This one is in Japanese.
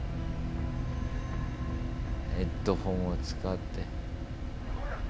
ヘッドホンを使って。